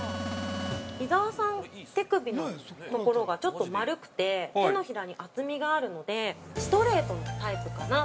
◆伊沢さん、手首のところがちょっと丸くて手のひらに厚みがあるのでストレートのタイプかなと。